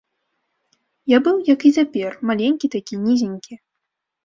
Я быў, як і цяпер, маленькі такі, нізенькі.